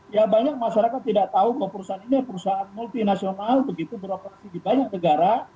ya banyak masyarakat tidak tahu bahwa perusahaan ini perusahaan multinasional begitu beroperasi di banyak negara